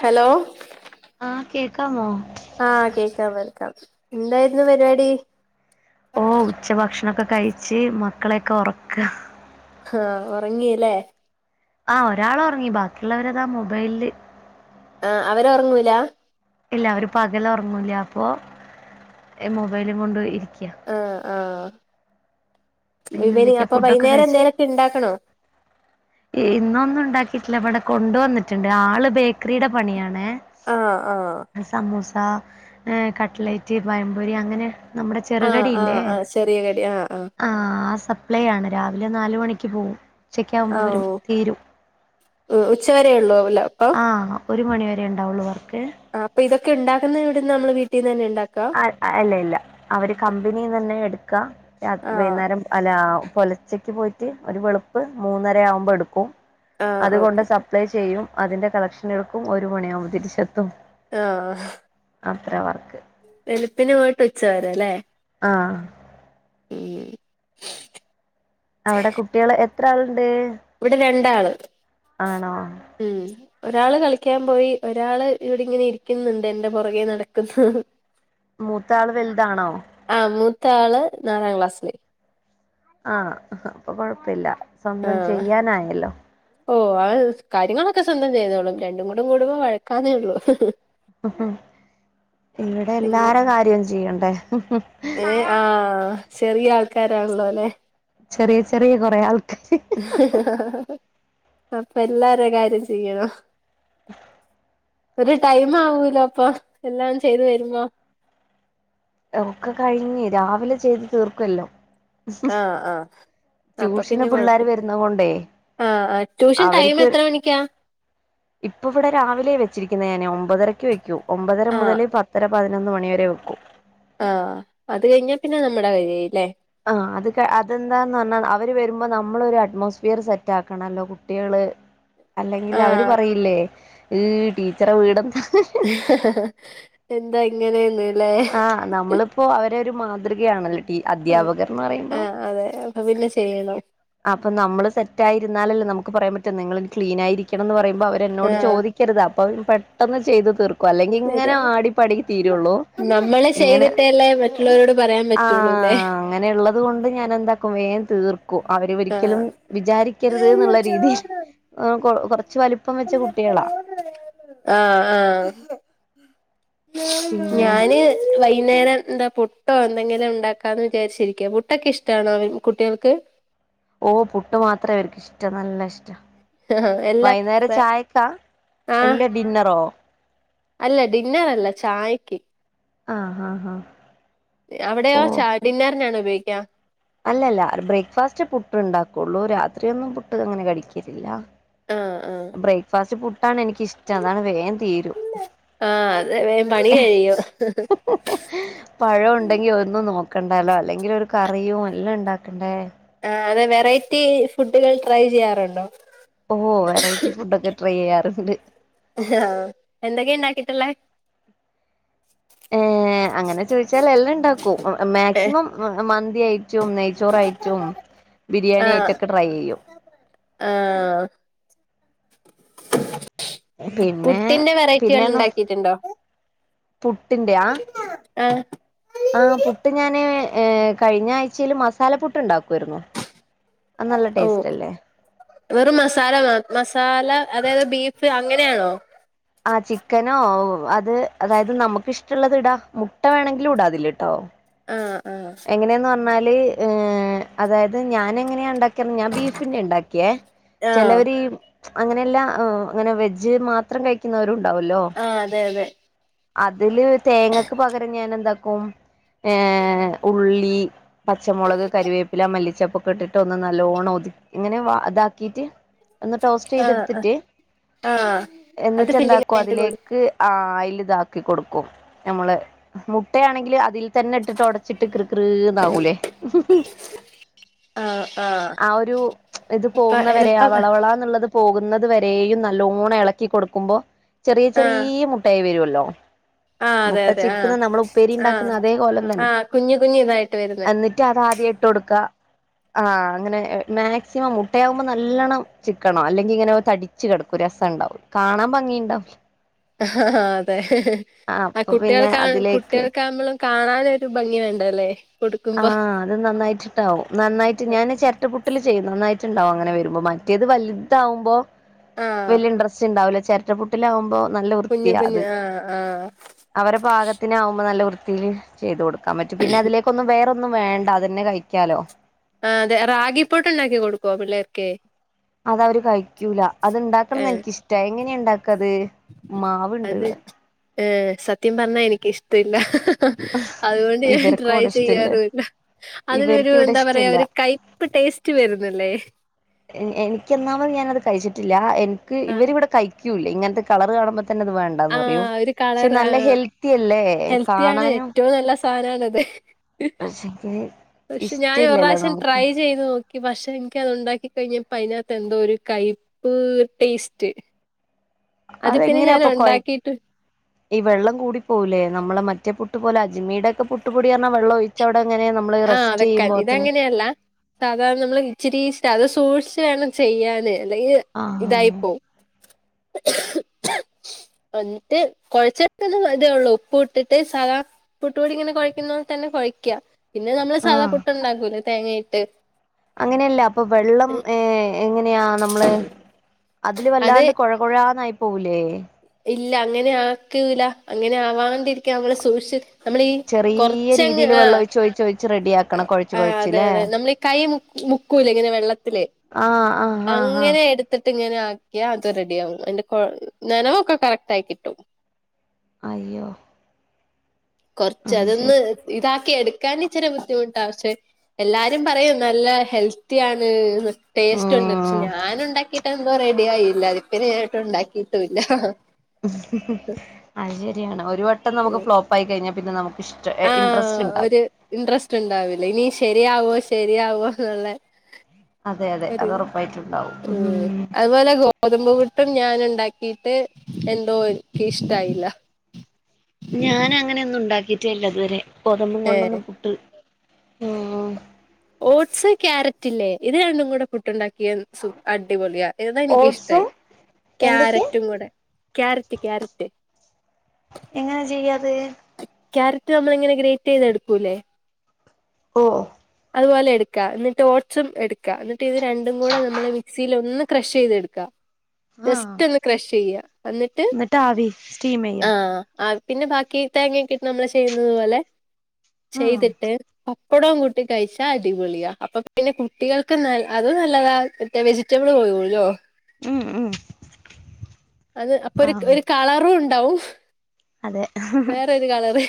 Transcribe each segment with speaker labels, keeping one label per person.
Speaker 1: Hello
Speaker 2: ക്കാമോ
Speaker 1: ആഹ് കേക്കാം വെൽക്കാം എന്തായിരുന്നു പരിപാടി
Speaker 2: ഓഹ് ഉച്ച ഭക്ഷണൊക്ക കഴിച്ച് മക്കളെയൊക്കെ ഒറക്ക
Speaker 1: ആഹ ഒറങ്ങീ ല്ലേ
Speaker 2: ആഹ് ഒരാള് ഒറങ്ങി ബാക്കിയുള്ളവരതാ മൊബൈലില്
Speaker 1: ആഹ അവര് ഒറങ്ങൂല
Speaker 2: ഇല്ല അവര് പകലൊറങ്ങൂല്ല അപ്പൊ മൊബൈലും കൊണ്ട് ഇരി ക്ക്യ
Speaker 1: ഈവെനിംഗ് അപ്പൊ വൈകുന്നേരം
Speaker 2: കഴിച്ചോ
Speaker 1: എന്തേലൊക്കെ ഉണ്ടാക്കണോ?
Speaker 2: ഇന്നൊന്നും ഉണ്ടാക്കിട്ടില്ല ഇവടെ കൊണ്ട് വന്നിട്ട്ണ്ട് ആള് ബേക്കറിടെ പണിയാണെ
Speaker 1: ആഹ് ആഹ്
Speaker 2: ത്താ കട്ട് ലേറ്റ് പയംപൊരി അങ്ങനെ നമ്മുടെ
Speaker 1: ആഹ്
Speaker 2: ചെറുകടിയില്ലേ
Speaker 1: ആഹ് ആഹ് ചെറിയ കടി ആഹ് ആഹ്
Speaker 2: പ്ലേ ആണ് രാവിലെ നാല് മണിക്ക് പോവും. ഉച്ചക്കെ ആവുമ്പോ
Speaker 1: ഓ
Speaker 2: വ
Speaker 1: ഉച്ച വരെേ ഉള്ളൂ അല്ല
Speaker 2: ആഹ് ഒരു മണിവരെ ഉണ്ടാവുള്ളൂ വർ
Speaker 1: ആ അപ്പൊ ഇതൊക്കെ ഉണ്ടാക്കുന്ന ഇവിടെന്ന നമ്മള് വീ ഇതന്നെയാണ്
Speaker 2: അ അല്ല ഇല്ല അവര് കമ്പനി തന്നെ എടു ക്ക രാത്
Speaker 1: ആഹ്
Speaker 2: വൈകുന്നേരം അല്ല പുലച്ചക്ക് പോയിട്ട് ഒരു വെളുപ്പ് മൂന്നര ആവുമ്പോ എടുക്കും
Speaker 1: ആഹ്
Speaker 2: അതുകൊണ്ട്
Speaker 1: ഓക്കെ
Speaker 2: സപ്ലൈ ചെയ്യും അതിന്റെ കളക്ഷൻ എടുക്കും ഒരു മണിയാവുമ്പോ തിരിച്ചെത്തും.
Speaker 1: ആഹ്
Speaker 2: അത്ര വർക്ക്.
Speaker 1: വെളുപ്പിന് പോയിട്ട് ഉച്ചവരെല്ലേ?
Speaker 2: ആഹ്
Speaker 1: ഉം
Speaker 2: അവിടെ കുട്ടികൾ എത്ര ആൾ
Speaker 1: ഇവിടെ രണ്ടാള്
Speaker 2: ആണോ
Speaker 1: ഉം ഒ രാള് കളിക്കാൻ പോയി ഒരാള് ഇവിടെ ഇങ്ങനെ ഇരിക്കുന്നുണ്ട് എന്റെ പുറകെ നടക്കുന്നു.
Speaker 2: മൂത്ത ആള് വലുതാണോ?
Speaker 1: ത്ത ആള് നാലാം ക്ലാസില്.
Speaker 2: ആഹ് അപ്പൊ കൊഴപ്പില്ല. സ്വന്തം
Speaker 1: ആഹ്
Speaker 2: ചെയ്യാനായല്ലോ.
Speaker 1: ഓ അ കാര്യങ്ങളൊക്കെ സ്വന്തം ചെയ്തോളും രണ്ടും കൂടും കൂടുമ്പോ വഴക്കാന്നെ ഉള്ളൂ.
Speaker 2: ഇവിടെ
Speaker 1: അങ്ങ
Speaker 2: എല്ലാരെ കാര്യം ചെയ്യ
Speaker 1: ഏ ആഹ് ചെറിയ ആൾക്കാരാണല്ലോ ല്ലേ?
Speaker 2: ചെറിയ ചെറിയ കൊറേ ആൾക്കാര്
Speaker 1: അപ്പൊ എല്ലാരേം കാര്യം ചെയ്യണം. ഒരു ടൈം ആവൂലോ അപ്പൊ എല്ലാം ചെയ്തു വരുമ്പോ
Speaker 2: ഒക്കെ കഴിഞ്ഞ് രാവിലെ ചെയ്ത് തീർക്കുവെല്ലാം.
Speaker 1: ആഹ് ആഹ് അപ്പൊ
Speaker 2: ട്യൂഷന്
Speaker 1: പിന്നെ കൊഴപ്പ
Speaker 2: പിള്ളേര് വരുന്ന കൊണ്ടേ
Speaker 1: ആഹ് ആഹ് ട്യൂഷൻ ടൈം
Speaker 2: അവര്ക്ക്
Speaker 1: എത്ര മണിക്കാ
Speaker 2: ഇപ്പ ഇവിടെ രാവിലെ വെച്ചിരിക്കുന്നെ ഞാൻ. ഞാൻ ഒമ്പതരക്ക് വെക് കും. ഒമ്പതര
Speaker 1: ആഹ്
Speaker 2: മുതല് പത്തര പതിനൊന്ന് മണി വരെ വെക്കും.
Speaker 1: ആഹ് അത് കഴിഞ്ഞാ പിന്നെ നമ്മുടെ കാര്യായി ഇല്ലേ?
Speaker 2: ആ അത് ക അതെന്താന്ന് പറഞ്ഞാൽ അവര് വരുമ്പോ നമ്മളൊരു അറ്റ്മോസ്ഫിയറ് സെറ്റാക്കണല്ലോ കുട്ടികള് അല്ലെങ്കില് അവര്
Speaker 1: ആഹ്
Speaker 2: പറയില്ലേ ഈയ്യ് ടീച്ചറെ വീടെന്താ
Speaker 1: എന്താ ഇങ്ങനെയെന്ന്?
Speaker 2: ആഹ് നമ്മളിപ്പോ അവ തൊരു മാതൃകയാണല്ലോ ഈ അധ്യാപകർന്ന് പറയുമ്പോ
Speaker 1: ട്ടേണം.
Speaker 2: അപ്പ നമ്മൾസെറ്റയിരുന്നാലല്ലോ നമുക്ക് പറയാൻപറ്റനിങ്ങൾ ക്ലീനയിരിക്കണം എന്ന് പറയ മ്പ അവരെന്നോട്
Speaker 1: ആഹ്
Speaker 2: ചോദിക്കരുതാ അപ്പ പെട്ടെന്ന് ചെയ്ത് തീർ ക്കു അല്ലെങ്കി ഇങ്ങനെ
Speaker 1: ശരിയാ
Speaker 2: ആടി പടി തീരുള്ളൂ
Speaker 1: നമ്മള്
Speaker 2: ഇങ്ങനെ
Speaker 1: ചെയ്തിട്ടല്ലേ മറ്റുള്ളവരോട് പറയാൻ
Speaker 2: ആ
Speaker 1: പറ്റുള്ളൂല്ലേ
Speaker 2: അങ്ങനെള്ളത് കൊണ്ട് ഞാൻ എന്ത വേ തീർക്കും അവര് ഒരിക്കലും വിചാരിക്കരുത് എന്നുള്ള
Speaker 1: ആഹ്
Speaker 2: രീതിയിൽ കൊറച്ച് വലിപ്പം വെച്ച കുട്ടികളാ
Speaker 1: ആഹ് ആഹ്
Speaker 2: പിന്നെ
Speaker 1: ഞാന് വൈകുന്നേരം ന്താ പുട്ടോ എന്തെങ്കിലും ഉണ്ടാക്കാന്ന് വിചാരിച്ചിരിക്കുവ പുട്ടൊക്കെ ഇഷ്ടാണോ കുട്ടികൾക്ക്
Speaker 2: ഓ പുട്ട് മാത്രേ അവക്ക് ഇഷ്ടം നല്ല ഇഷ്ടം
Speaker 1: എല്ലാ
Speaker 2: വൈകുന്നേരം ചായക്കാ
Speaker 1: ആഹ്
Speaker 2: എല്ല ഡിന്നറോ
Speaker 1: അല്ല ഡിന്നർ അല്ല ചായക്ക്
Speaker 2: ആ ഹ ഹ
Speaker 1: വേക്ക
Speaker 2: അല്ലല്ല ബ്രേക്ക്ഫാസ്റ്റ് പുട്ട് ഇണ്ടാക്കുള്ളൂ രാത്രി ഒന്നും പുട്ട് അങ്ങനെ കഴിക്കലില്ല
Speaker 1: ആഹ് ആഹ്
Speaker 2: ബ്രേക്ഫാസ്റ്റ് പു ട്ടാണ് എനിക്കിഷ്ടം അതാണ് വേൻ തീരും
Speaker 1: ആഹ് അത് വേം പണി കഴിയും
Speaker 2: പഴം ഉണ്ടെങ്കി ഒന്നും ഒക്കെ ഉണ്ടല്ലോ അല്ലെങ്കിൽ ഒരു കറിയും എല്ലാം ഉണ്ടാക്കേണ്ടേ
Speaker 1: ആ അതെ വെറൈറ്റി ഫുഡുകൾ ട്രൈ ചെയ്യാറുണ്ടോ
Speaker 2: ഓഹ് വെറൈറ്റി ഫുഡ് ഒക്കെ ട്രൈ ചെയ്യാറുണ്ട്
Speaker 1: ആഹ് എന്തൊക്കെയ ഉണ്ടകിട്ടുള്ള
Speaker 2: ഏ അങ്ങനെ ചോദിച്ചാൽ എല്ലാം ഉണ്ടാക്കും മാക്സിമം മ തി ച്ചും നെയ്ച്ചോറായിട്ടും ബിരിയാണി
Speaker 1: ആഹ്
Speaker 2: ആയിട്ടൊക്കെ ട്രൈ ചെയ്യും
Speaker 1: ആഹ്
Speaker 2: പിന്നെ
Speaker 1: പുട്ടിന്റെ വെറൈറ്റികൾ ഉണ്ടാക്കിട്ടുണ്ടോ
Speaker 2: പുട്ടിന്റെയാ ആ പുട്ട് ഞാന് ഏ കഴിഞ്ഞ ആഴ്ചൽ മസാല പുട്ട് ഉണ്ടാക്കുവായിരുന്നു
Speaker 1: ഓ വെറും മസാല മാ മസാല അതായത് ബീഫ് അങ്ങനെയാണോ
Speaker 2: ആ ചിക്കനോ അത് അതായത് നമുക്കിഷ്ടള്ളത് ഇടാ മുട്ട വേണങ്കിലും ഇടാ അതില് ട്ടോ
Speaker 1: ആ
Speaker 2: എങ്ങനെയെന്ന് ന്നാല് അതായത് ഞൻ എങ്ങനെയണ്ടാ ക്ക ഞാൻ ബീഫിനെ ഇണ്ടാക്കിയെ
Speaker 1: ആഹ്
Speaker 2: ചെലവര് അങ്ങനെയല്ല അങ്ങനെ വെജ് മാത്രം കഴിക്കുന്നവരു
Speaker 1: ആഹ് അതെ അതെ
Speaker 2: അതില് തേങ്ങക്ക് പകരം ഞാൻ എന്താക്കും ഏ ഉള്ളി, പച്ചമുളക്, കരിവേപ്പില, മല്ലിച്ചെപ്പ് ഒക്കെ ഇട്ടിട്ട് ഒന്ന് നല്ലോണ്ണം ഒതു ഇങ്ങനെ വ അതാക്കിട്ട് ഒന്ന് ടോസ്റ്റ്
Speaker 1: ആഹ് ആഹ്
Speaker 2: ചെയ്തെടുത്തിട്ട്
Speaker 1: ആഹ് അത്
Speaker 2: എന്നിട്ട്
Speaker 1: ഫില്ലിംഗ്
Speaker 2: എന്താക്കും
Speaker 1: ആയിട്ട് കൊടു
Speaker 2: അതിലേക്ക് ആഹ് അയില് [unintelligible] ചിട്ട് കൃകൃന്നാവൂലേ
Speaker 1: ആഹ് ആഹ്
Speaker 2: ആ ഒരു ഇത്
Speaker 1: അപ്പൊ
Speaker 2: പോകുന്നവരെ ആ
Speaker 1: എളുപ്പം
Speaker 2: വളവളാന്നുള്ളത് പോകുന്ന ന്നത് വരെയും നല്ലോണം എളക്കി കൊടുക്കുമ്പോ ചെറിയ
Speaker 1: ആഹ്
Speaker 2: ചെറിയ മുട്ടയായി വരുവല്ലോ
Speaker 1: ആഹ് അതെ
Speaker 2: മുട്ട
Speaker 1: അതെ ആഹ്
Speaker 2: ചിക്കുന്ന നമ്മളുപ്പേരി
Speaker 1: ആഹ്
Speaker 2: ഇണ്ടാക്കുന്ന അതേ കോലം തന്നെ
Speaker 1: ആഹ് കുഞ്ഞു കുഞ്ഞു ഇതായിട്ട് വരുന്നെ
Speaker 2: എന്നിട്ട് അതാദ്യം ഇട്ട് കൊടു ക ആഹ് അങ്ങനെ മാക്സിമം മുട്ടയാവുമ്പോ നല്ലോണ്ണം ചിക്കണം. അല്ലെങ്കി ഇങ്ങനെ തടിച്ച് കിടക്കും രസം ഇണ്ടാവും കാണാൻ ഭംഗി ഇണ്ടാവൂല.
Speaker 1: ആ അതെ ആ
Speaker 2: അപ്പൊ
Speaker 1: കുട്ടികൾ
Speaker 2: പിന്നെ
Speaker 1: കാ
Speaker 2: അതിലേക്ക്
Speaker 1: കുട്ടികൾക്കാമ്പളും കാണാനൊരു ഭംഗിവേ ടല്ലേ
Speaker 2: ആഹ് അത് നന്നായിട്ടിട്ടാവും. നന്നായിട്ട് ഞാന് ചെരട്ടപുട്ടില് ചെയ്യും നന്നായി ട്ടുണ്ടാവും അങ്ങനെ വരുമ്പോ. മറ്റേത് വലുതാവുമ്പോ
Speaker 1: ആഹ്
Speaker 2: വലിയ ഇൻട്രസ്റ്റ് ഇണ്ടാവൂല. ചെരട്ടപ്പുട്ടിലാവുമ്പോ നല്ല
Speaker 1: കുഞ്ഞു
Speaker 2: വൃത്തിയാ അത്
Speaker 1: കുഞ്ഞു ആഹ് ആഹ്
Speaker 2: അവരെ പാകത്തിന് ആകുമ്പോ നല്ല വൃത്തി പിന്നെ ചെയ്തു കൊടു ക്കാൻ പറ്റും. പിന്നെ അതിലേക്ക് വേറൊന്നും വേണ്ട അതന്നെ കഴിക്കാലോ.
Speaker 1: ആ അതെ, റാഗിപ്പുട്ട് ഉണ്ടാക്കി കൊടുക്കുവോ പിള്ളേർക്ക്?
Speaker 2: അതവര് കയിക്കൂല. അത്ണ്ടാക്കണംന്ന്
Speaker 1: ഏഹ്
Speaker 2: എനക്ക് ഇഷ്ടാ എങ്ങനെയാ ഇണ്ടാക്കത് മാവുണ്ട്
Speaker 1: അത്
Speaker 2: ഇവിടെ
Speaker 1: ആ ഏ സത്യം പറഞ്ഞാ എനിക്ക് ഇഷ് ത്തില്ലാ അതുകൊണ്ട് ഞാൻ
Speaker 2: ഇവർക്ക്
Speaker 1: ട്രൈ
Speaker 2: ഇവിടെ ഇഷ്ടല്ല
Speaker 1: ചെയ്യാറും ഇല്ല. അതിനൊരു
Speaker 2: ഇവർക്ക് ഇവിടെ
Speaker 1: എന്താ പറയാ
Speaker 2: ഇഷ്ടല്ല
Speaker 1: ഒരു കയ്പ്പ് ടേസ്റ്റ് വരുന്നില്ലേ?
Speaker 2: എനിക്ക് ഒന്നാമത് ഞാനത് കഴിച്ചിട്ടില്ല. എനിക്ക്
Speaker 1: ആഹ്
Speaker 2: ഇവരിവിടെ കഴി ക്കൂല. ഇങ്ങനത്തെ കളറ് കാണുമ്പ
Speaker 1: ആഹ് ഒരു കളറ് ആഹ്
Speaker 2: ഹെൽത്തി അല്ലേ
Speaker 1: ഹെൽത്തിയാണ്
Speaker 2: കാണാനും
Speaker 1: ഏറ്റവും നല്ല സാധനാണത്.
Speaker 2: പക്ഷെങ്കില്
Speaker 1: പക്ഷെ ഞാൻ ഒരു
Speaker 2: ഇഷ്ടല്ലല്ലോ
Speaker 1: പ്രാവശ്യം
Speaker 2: നമുക്ക്
Speaker 1: ട്രൈ ചെയ്ത് നോക്- കി. പക്ഷെ എനിക്ക് അത് ഉണ്ടാക്കി കഴിഞ്ഞപ്പോ അതിനകത്ത് എന്തോ ഒരു കയ്പ്പ് ടേസ്റ്റ്. അത് പിന്നെ
Speaker 2: അതെങ്ങനെയാപ്പൊ കൊയ
Speaker 1: ഞാനൊണ്ടാക്കീട്ട്
Speaker 2: ഈ വെള്ളം കൂടി പോവൂലേ? നമ്മളെ മറ്റേ പുട്ട് പോലെ അജ്മീടെക്കെ പുട്ടപൊടീന്ന് പറഞ്ഞാ വെള്ളം ഒഴിച്ചവി
Speaker 1: ആഹ് വെക്കാൻ ഇത അങ്ങനെയല്ല സാധാരണ നമ്മള് ഇച്ചിരി [unintelligible] സൂക്ഷിച്ച് വേണം ചെയ്യാന് [unintelligible]
Speaker 2: ആഹ്
Speaker 1: ഇതായിപ്പോവും എന്നിട്ട് കൊഴച്ചപ്പ [unintelligible] അതേ ഉള്ളൂ ഉപ്പ് ഇട്ടിട്ട് സാദാ പുട്ട് പൊടി ഇങ്ങനെ കൊഴയ്ക്കുന്ന തന്നെ കൊഴയ്ക്കാ പിന്നെ നമ്മള് സാധാ
Speaker 2: ആഹ്
Speaker 1: പുട്ട് ഉണ്ടാക്കൂലേ തേങ്ങയി
Speaker 2: അങ്ങനെയല്ല അപ്പൊ വെള്ളം ഏ എങ്ങനെയാ നമ്മള് അതില്
Speaker 1: അത്
Speaker 2: വല്ലാണ്ട് കൊഴകൊഴാന്നായി പോവൂലെ
Speaker 1: ഇല്ല അങ്ങനെ ആക്കീല അങ്ങനെ ആവാണ്ടിരിക്കാൻ നമ്മള സൂക്ഷി
Speaker 2: ചെറിയ രീതിൽ വെള്ള ഒഴിച്ച് ഒഴിച്ച് ഒഴി
Speaker 1: ആ അതെ അതെ നമ്മളീ കൈ മു മുക്കൂലെ ഇങ്ങനെ വെള്ളത്തില്
Speaker 2: ആഹ് ആഹ് ആഹ് ആഹ്
Speaker 1: അങ്ങനെ എടുത്തിട്ട് ഇങ്ങനെ ആക്കിയ അ റെഡി ആകും അതിന്റെ കൊ നനവൊക്കെ കറക്റ്റ് ആയി കിട്ടും
Speaker 2: അയ്യോ
Speaker 1: കൊറച്ച്
Speaker 2: അത്
Speaker 1: അതൊന്ന്
Speaker 2: ശരി
Speaker 1: ഇതാക്ക് എടുക്കാൻ ഇച്ചിരി ബുദ്ധിമുട്ടാ പക്ഷെ എല്ലാരും പറയും നല്ല ഹെൽത്തി ആണ് ടേസ്റ്റ് ഉണ്ട് പക്ഷെ
Speaker 2: ഉം
Speaker 1: ഞാൻ ഉണ്ടാക്കീട്ട് എന്താ പറ [unintelligible] ഇല്ല അതിപ്പ ഞാൻ ഒട്ടും ഉണ്ടാക്കിട്ടും ഇല്ല
Speaker 2: അത് ശരിയാണ് ഒരു വട്ടം നമുക്ക് ഫ്ലോപ്പ് ആയി കഴിഞ്ഞ പിന്നെ നമക്ക്
Speaker 1: ആഹ ഒരു ഇൻട്രസ്റ്റ് ഉണ്ടാവില്ല ഇനി ശരിയാവോ ശരിയാവോന്നുള്ളെ
Speaker 2: അതെ അതെ അത് ഉറപ്പായിട്ടുണ്ടാവും
Speaker 1: ഉം അതുപോലെ ഗോതമ്പ് പുട്ട് ഞാൻ ഉണ്ടാക്കിട്ട് എന്തോ ഇന് ഇഷ്ടായില്ല
Speaker 2: ഞാൻ അങ്ങനെ ഒന്നും ഉണ്ടാക്കി റ്റല്ലതുവരെ ഗോതമ്പും
Speaker 1: ഏഹ്
Speaker 2: കൊണ്ടൊന്നും പുട്ടി ആഹ് ആഹ്
Speaker 1: ഓട്സ് ക്യാരറ്റ് ഇല്ലേ ഇത് രണ്ടും കൂടെ പുട്ട് ഉണ്ടാക് എന്ത്‌ സൂ അടിപൊളിയ ഏതാ
Speaker 2: ഓട്സും
Speaker 1: എനിക്കിഷ്ടായി
Speaker 2: എന്തൊക്കെയാ
Speaker 1: ക്യാരറ്റും കൂടെ ക്യാരത്തി ക്യാരറ്റ്
Speaker 2: എങ്ങനാ ചെയ്യാത്
Speaker 1: ക്യാരറ്റ് നമ്മളിങ്ങനെ ഗ്രേറ്റ് ചെയ്ത എടുക്കൂല്ലേ
Speaker 2: ഓ
Speaker 1: അതുപോലെ എടുക്ക എന്നിട്ട് ഓട്സും എടുക്ക എന്നിട്ട് ഇത് രണ്ടും കൂടെ നമ്മള് മിക്സിയിലൊന്ന് ക്രഷ് ചെയ്തെടുക്ക
Speaker 2: ആഹ്
Speaker 1: ജസ്റ്റ് ഒന്ന് ക്രഷ് ചെയ്യ എന്നിട്ട്
Speaker 2: ആവി സ്റ്റീം ചെയ്യാ
Speaker 1: ആഹ് അത് പിന്നെ ബാക്കി തേങ്ങൊക്കെട്ട് നമ്മള് ചെയ്യുന്നത് പോലെ
Speaker 2: ആഹ്
Speaker 1: ചെയ്തിട്ട് പപ് കൊടുവൻ കൊട് ട്ട് കഴിച്ചാ അടിപൊളിയ അപ്പൊ പിന്നെ കുട്ടികൾക്ക് ന അത് നല്ലതാ മറ്റേ വെജിറ്റബിൾ പോകുവല്ലോ
Speaker 2: ഉം ഉം
Speaker 1: അത് അപ്പൊ ഒരു
Speaker 2: ആഹ്
Speaker 1: ഒരു കളറും ഉണ്ടാവും
Speaker 2: അതെ ഹ് ഹ് ഹ്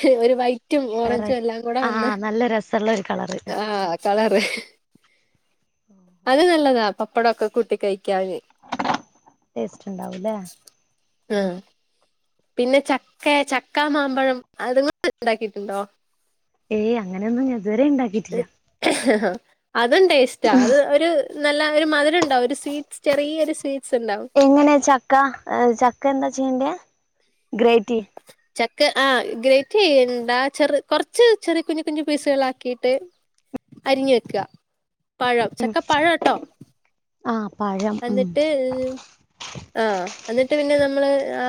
Speaker 1: ഹ് ഒരു വൈറ്റ് റ്റും ഓറഞ്ചും എല്ലാം കൂടെ വന്ന്
Speaker 2: ആഹ് നല്ല രസള്ള ഒരു കളറ്
Speaker 1: ആഹ് കളറ് അത് നല്ലതാ പപ്പടൊക്കെ കൂട്ടി കൈ
Speaker 2: ടേസ്റ്റ് ണ്ടാവൂല്ലേ
Speaker 1: ആഹ് പിന്നെ ചക്കെ ചക്കാ മാമ്പഴം അതുങ്ങൊണ്ടുണ്ടാകീട്ടുണ്ടോ
Speaker 2: ഏയ് അങ്ങനെയൊന്നും ഞ ഇതുവരെ ഇണ്ടാക്കീട്ടില്ല
Speaker 1: അഹ് അത് തുംടേസ്റ്റാ അത് ഒരു നല്ല ഒരു മധുരംണ്ടാവും ഒരു സ്വീറ്റ്സ് ചെറിയൊരു സ്വീറ്റ്
Speaker 2: എങ്ങനെയ ചക്ക ചക്ക എന്താ ചെയ്യണ്ടെ ഗ്രൈറ്റിയ്യ്
Speaker 1: ചക്ക ആഹ് ഗ്രേറ്റി ചെയ്യണ്ട ചെറ് കൊറച്ച് ചെറിയ കുഞ്ഞു കുഞ്ഞു പീസുകളാക്കിയിട്ട് അരിഞ്ഞു വെക്കുക പഴം ചക്ക പഴം ആട്ടോ
Speaker 2: ആഹ് പഴം ഉം
Speaker 1: എന്നിട്ട് ആഹ് എന്നിട്ട് പിന്നെ നമ്മള് ആ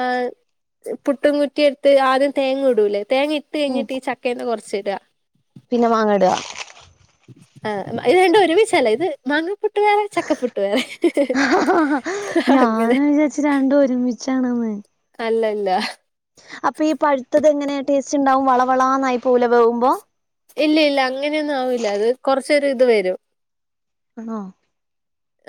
Speaker 1: ച് പുട്ടുംകു റ്റിയെടുത്ത് ആദ്യം തേങ്ങ ഇടൂലേ തേങ്ങ ഇട്ട്
Speaker 2: ഉം
Speaker 1: കഴിഞ്ഞിട്ട് ഈ ചക്കേന്ന് കൊറച്ച് ട്അ
Speaker 2: പിന്നെ മാങ്ങഇടുക
Speaker 1: ആഹ ഇത്‌രണ്ടും ഒരുമിച്ചല്ല ഇത് മാങ്ങപ്പുട്ട് വേറെ ചക്കപ്പുട്ട് വേറെ
Speaker 2: ഹാ ഹാ ഹാ ഹാ
Speaker 1: അങ്ങനെ
Speaker 2: ഞാന് വിചാരിച്ച് രണ്ടും ഒരുമി ച്ചണമെ
Speaker 1: അല്ലല്ല ഹ്
Speaker 2: അപ്പൊ ഈ പഴുത്തത് എങ്ങനെ ടേസ്റ്റ് ഉണ്ടാവും വളവളാന്നായി പോവൂലെ വേ കുമ്പോ
Speaker 1: ഇല്ല ഇല്ല അങ്ങനെയൊന്നും ആവില്ല അത് കൊറച്ചോര് ഇത് വരും
Speaker 2: അണോ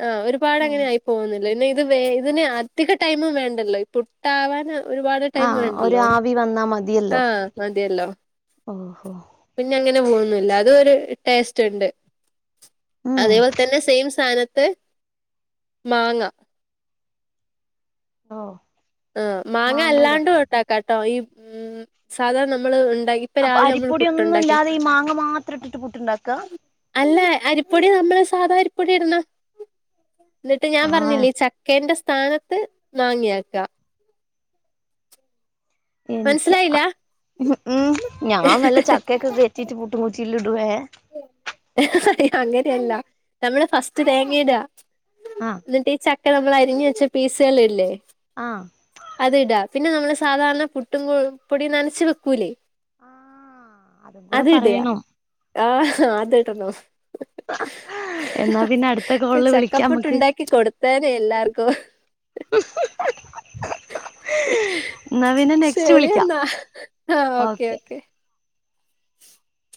Speaker 1: ആഹ് ഒരുപാട് അങ്ങനെ ആയി പോകുന്നി ലെ നിത് വേ ഇതിന് അധിക ടൈമു വേണ്ടല്ലോ ഈ പുട്ടാവാനാ ഒരുപാട് ടൈം
Speaker 2: ആഹ് ഒരു
Speaker 1: വേണ്ടല്ലോ
Speaker 2: ആവി വന്നാ മതിയല്ലോ
Speaker 1: ആഹ് മതിയല്ലോ
Speaker 2: ഓഹോ
Speaker 1: ല്ല പോന്നില്ല അതോരു ടേസ്റ്റ് ഉണ്ട്
Speaker 2: ഉം
Speaker 1: അതെപോലെ തന്നെ സെയിം സാന ത് മാങ്ങ
Speaker 2: ഓ
Speaker 1: ആ മാങ്ങ അല്ലാണ്ടും ഒണ്ടാക്കാട്ടോ ഈ ഉം സാധാ നമ്മള് ഇൺ ദാ ഇപ്പ
Speaker 2: അപ്പൊ
Speaker 1: രാവിലെ നമ്മള്
Speaker 2: അരിപ്പൊടി ഒന്നും
Speaker 1: പുട്ടുണ്ടാക്കി
Speaker 2: ഇല്ലാതെ ഈ മാങ്ങ മാത്രം ഇട്ടിട്ട് പുട്ടുണ്ടാക്ക
Speaker 1: [unintelligible] അല്ല അരിപ്പൊടി നമ്മള് സാധ അരി പ്പൊടി ഇടണം [unintelligible] എന്നിട്ട് ഞാൻ
Speaker 2: ആഹ്
Speaker 1: പറഞ്ഞില്ല ഈ ചക്കേന്റെ സ് താനത്ത് നാങ്ങിയാക്ക
Speaker 2: എനിക്ക്
Speaker 1: മനസ്സിലായില്ല
Speaker 2: അ ഹ് ഉം ഞാൻ വല്ല ചക്കയൊക്കെ കേറ്റിട്ട് പുട്ടും കുറ്റിലിടു വേ [unintelligible]
Speaker 1: അങ്ങനെയല്ല നമ്മള് ഫസ്റ്റ് തേങ്ങയിട്ക
Speaker 2: ആഹ്
Speaker 1: [unintelligible] എന്നിട്ടി ചക് ക്കെ നമ്മള് അരിഞ്ഞ് വെച്ച പീസ്കളില്ലേ
Speaker 2: ആഹ്
Speaker 1: അതിട്ക പിന്നെ നമ്മള് സാധാരണ പുട്ടും കു പൊടിയും നനച്ച് വെക്കൂല്ലേ
Speaker 2: ആഹ് അതും കൂടെ പറയണം
Speaker 1: ആഹ് ഹ അത് ഇടാ
Speaker 2: എന്നാ
Speaker 1: ഹ
Speaker 2: പിന്നെ അടുത്ത
Speaker 1: ഹ
Speaker 2: കോളില് വിളിക്കാം നമുക്ക്
Speaker 1: ചക്കപ്പുട്ടുണ്ടാക്കി കൊടുത്തേനെ എല്ലാർ കോ ഹ്
Speaker 2: [unintelligible] ന്നാ പിന്ന നെക്സ്റ്റ്
Speaker 1: ശരി
Speaker 2: വിളിക്കാം
Speaker 1: എന്നാ
Speaker 2: ഓക്കെ
Speaker 1: [inaudible]